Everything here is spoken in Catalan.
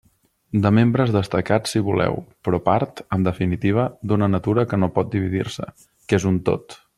De membres destacats si voleu, però part, en definitiva, d'una natura que no pot dividir-se, que és un tot.